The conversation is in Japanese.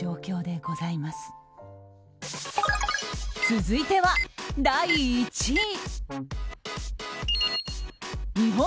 続いては第１位。